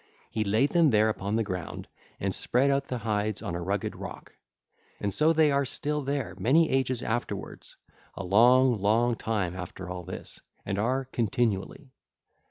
He laid them there upon the ground, and spread out the hides on a rugged rock: and so they are still there many ages afterwards, a long, long time after all this, and are continually 2518.